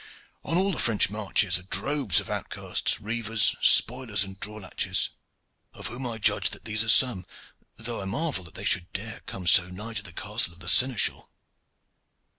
On all the French marches are droves of outcasts, reivers, spoilers, and draw latches, of whom I judge that these are some, though I marvel that they should dare to come so nigh to the castle of the seneschal.